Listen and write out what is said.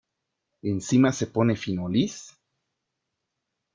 ¿ encima se pone finolis?